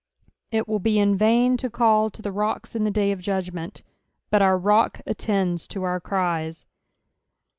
It will be in vain to call to the rocks in the day of judgment, but our rock attends to our cries.